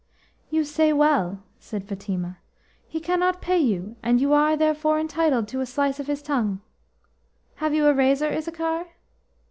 "You say well," said Fatima. "He cannot pay you, and you are therefore entitled to a slice of his tongue. Have you a razor, Issachar?"